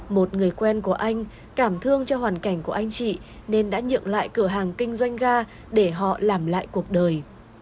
một người quen của anh cảm thương cho hoàn cảnh của anh chị nên đã nhượng lại cửa hàng kinh doanh ga để họ làm lại cuộc đời